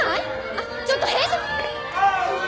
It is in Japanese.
あっちょっと編集！